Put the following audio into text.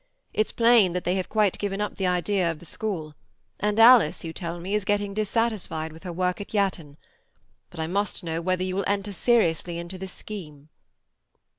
It's plain that they have quite given up the idea of the school, and Alice, you tell me, is getting dissatisfied with her work at Yatton. But I must know whether you will enter seriously into this scheme."